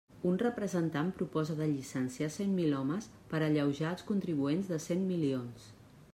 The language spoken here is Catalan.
Un representant proposa de llicenciar cent mil homes per alleujar els contribuents de cent milions.